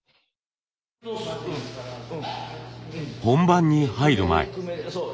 本番に入る前。